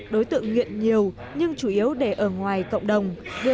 đối tượng nghiện nhiều nhưng chủ yếu để ở ngoài cộng đồng